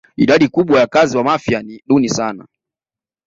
Idadi kubwa ya wakazi wa Mafia ni duni sana